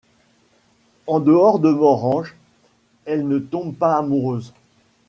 En dehors de Morhange, elle ne tombe pas amoureuse.